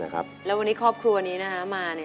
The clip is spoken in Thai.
แล้ววันนี้ครอบครัวนี้นะคะมา